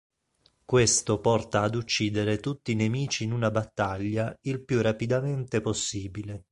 Questo porta ad uccidere tutti i nemici in una battaglia il più rapidamente possibile.